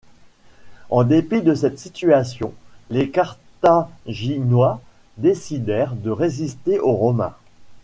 En dépit de cette situation, les Carthaginois décidèrent de résister aux Romains.